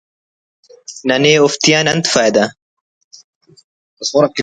ننے اوفتیان انت فائدہ